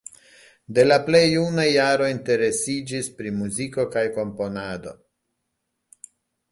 De la plej junaj jaroj interesiĝis pri muziko kaj komponado.